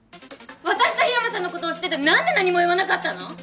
私と桧山さんのことを知っててなんで何も言わなかったの？